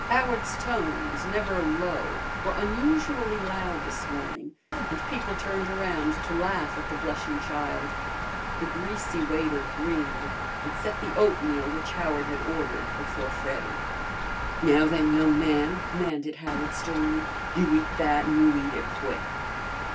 Howard's tones, never low, were unusually loud this morning, and people turned around to laugh at the blushing child. The greasy waiter grinned and set the oatmeal which Howard had ordered before Freddy. "Now, then, young man," commanded Howard sternly, "you eat that, and you eat it quick!"